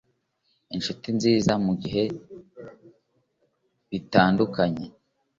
inshuti nziza mubihe bitandukanye,